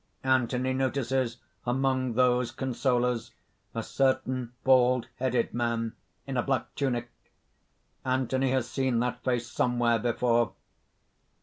_ _Anthony notices among these consolers, a certain bald headed man, in a black tunic: Anthony has seen that face somewhere before.